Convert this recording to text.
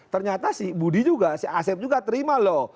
ternyata si budi juga si asep juga terima loh